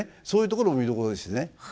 そういうところも見どころですしね。